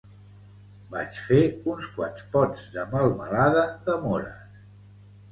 Vaig fer uns quants pots de melmelada de mores